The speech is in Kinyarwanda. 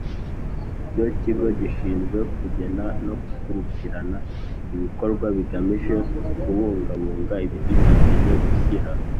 Icyo kigo gishinzwe kugena no gukurikirana ibikorwa bigamije kubungabunga ibidukikije gushyira